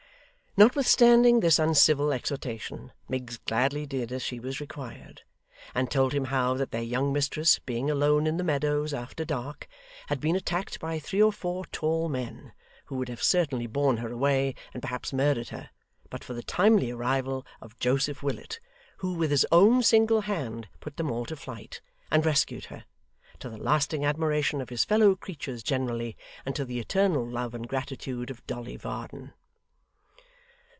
Notwithstanding this uncivil exhortation, Miggs gladly did as she was required; and told him how that their young mistress, being alone in the meadows after dark, had been attacked by three or four tall men, who would have certainly borne her away and perhaps murdered her, but for the timely arrival of Joseph Willet, who with his own single hand put them all to flight, and rescued her; to the lasting admiration of his fellow creatures generally, and to the eternal love and gratitude of Dolly Varden.